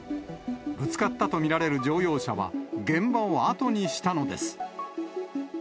ぶつかったとみられる乗用車は、現場を後にしたのです。